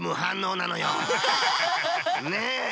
ねえ！